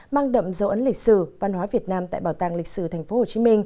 mang đậm dấu ấn lịch sử văn hóa việt nam tại bảo tàng lịch sử tp hcm